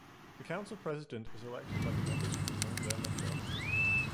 The council president is elected by the members from among their number.